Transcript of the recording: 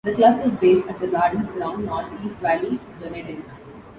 The club is based at The Gardens Ground, North East Valley, Dunedin.